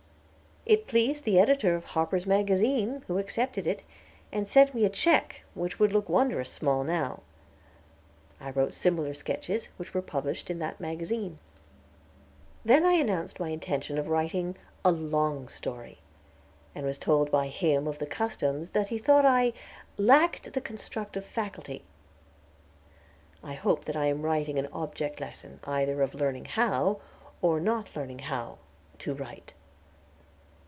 It pleased the editor of Harper's Magazine, who accepted it, and sent me a check which would look wondrous small now. I wrote similar sketches, which were published in that magazine. Then I announced my intention of writing a "long story," and was told by him of the customs that he thought I "lacked the constructive faculty." I hope that I am writing an object lesson, either of learning how, or not learning how, to write.